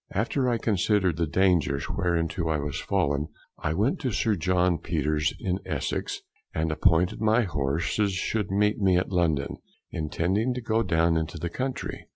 After I consider'd the dangers whereinto I was fallen, I went to Sir John Peters, in Essex, and appointed my horses should meet me at London, intending to go down into the country.